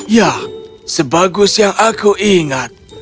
ya sebagus yang aku ingat